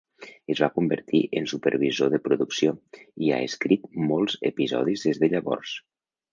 Es va convertir en supervisor de producció, i ha escrit molts episodis des de llavors.